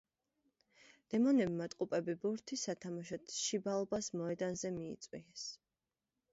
დემონებმა ტყუპები ბურთის სათამაშოდ შიბალბას მოედანზე მიიწვიეს.